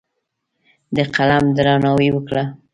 د قلم درناوی وکړه.